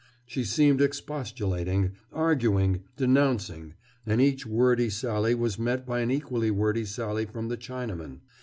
She seemed expostulating, arguing, denouncing, and each wordy sally was met by an equally wordy sally from the Chinaman.